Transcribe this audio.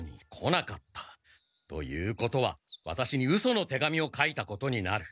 ということはワタシにうその手紙を書いたことになる。